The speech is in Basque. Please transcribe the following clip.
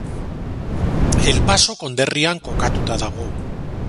El Paso konderrian kokatua dago.